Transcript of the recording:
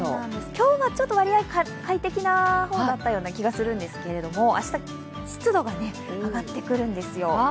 今日はちょっと割合、快適な方だった気がするんですけど明日、湿度が上がってくるんですよ